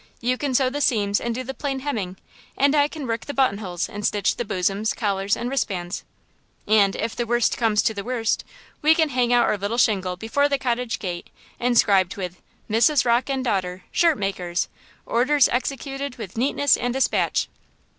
"You can sew the seams and do the plain hemming, and I can work the buttonholes and stitch the bosoms, collars and wristbands! And 'if the worst comes to the worst,' we can hang out our little shingle before the cottage gate, inscribed with: MRS. ROCKE AND DAUGHTER. Shirt Makers. Orders executed with neatness and dispatch.